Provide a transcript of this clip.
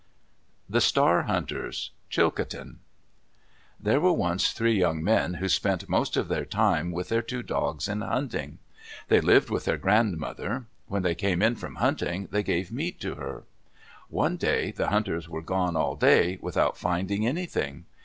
THE STAR HUNTERS Chilcotin There were once three young men who spent most of their time with their two dogs in hunting. They lived with their grandmother. When they came in from hunting, they gave meat to her. One day the hunters were gone all day without finding anything.